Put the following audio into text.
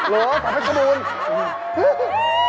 เหรอฝันเทพธบูรณ์